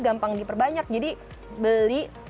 gampang diperbanyak jadi beli